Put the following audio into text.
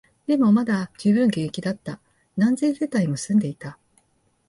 でも、まだ充分現役だった、何千世帯も住んでいた